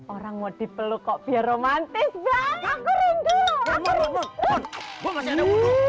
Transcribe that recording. orang mau dipeluk kok biar romantis banget aku rindu aku